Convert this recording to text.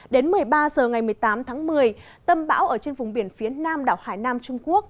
đến một mươi ba h ngày một mươi tám tháng một mươi tâm bão ở trên vùng biển phía nam đảo hải nam trung quốc